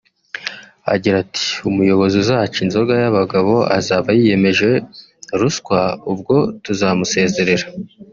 Agira ati “Umuyobozi uzaca inzoga y’abagabo azaba yiyemeje ruswa ubwo tuzamusezerera